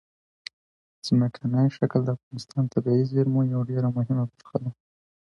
ځمکنی شکل د افغانستان د طبیعي زیرمو یوه ډېره مهمه برخه ده.